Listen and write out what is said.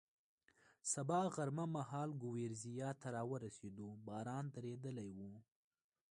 سبا غرمه مهال ګورېزیا ته را ورسېدو، باران درېدلی و.